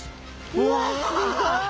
うわっすごい！